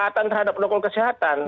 ketaatan terhadap nukul kesehatan